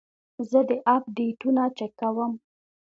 زه د اپ ډیټونه چک کوم.